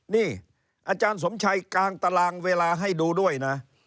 นี่อาจารย์สมชัยกางตารางเวลาให้ดูด้วยนะ